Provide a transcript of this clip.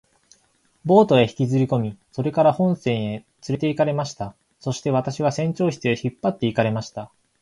ボートへ引きずりこみ、それから本船へつれて行かれました。そして私は船長室へ引っ張って行かれました。